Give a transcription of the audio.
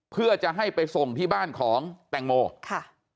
เพื่อจะให้ไปส่งที่บ้านของแตงโมค่ะ